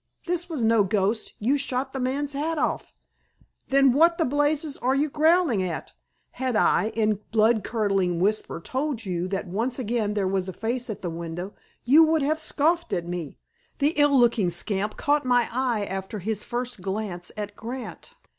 "This was no ghost. You shot the man's hat off." "Then what the blazes are you growling at? Had I, in blood curdling whisper, told you that once again there was a face at the window, you would have scoffed at me. The ill looking scamp caught my eye after his first glance at Grant.